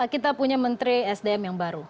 kita punya menteri sdm yang baru